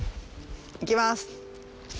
いきます。